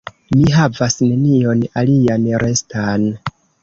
Mi havis nenion alian restan.